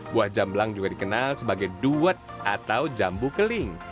buah jamblang juga dikenal sebagai duet atau jambu keling